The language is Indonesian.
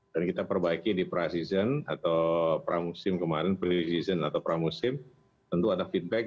dan kita perbaiki di pre season atau pramusim kemarin pre season atau pramusim tentu ada feedback